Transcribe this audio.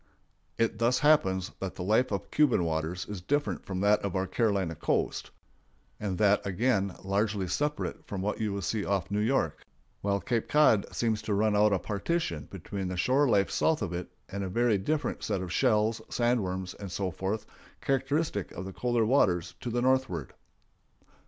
It thus happens that the life of Cuban waters is different from that of our Carolina coast; and that, again, largely separate from what you will see off New York; while Cape Cod seems to run out as a partition between the shore life south of it and a very different set of shells, sand worms, and so forth, characteristic of the colder waters to the northward.